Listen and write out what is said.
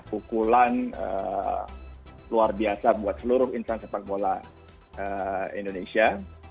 pukulan luar biasa buat seluruh insan sepak bola indonesia